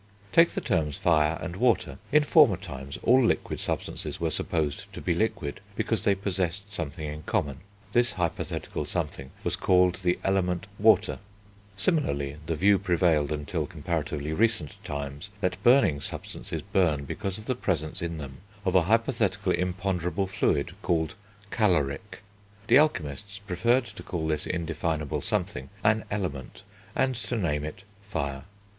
Take the terms Fire and Water. In former times all liquid substances were supposed to be liquid because they possessed something in common; this hypothetical something was called the Element, Water. Similarly, the view prevailed until comparatively recent times, that burning substances burn because of the presence in them of a hypothetical imponderable fluid, called "Caloric"; the alchemists preferred to call this indefinable something an Element, and to name it Fire.